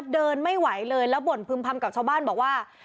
เดินไม่ไหวเลยแล้วบ่นพึ่มพำกับชาวบ้านบอกว่า